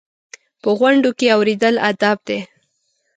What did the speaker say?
په غونډو کې اورېدل ادب دی.